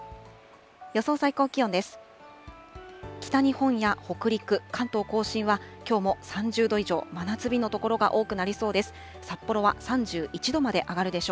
予想最高気温です。